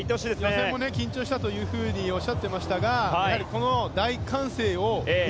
予選も緊張したとおっしゃってましたがこの大歓声を。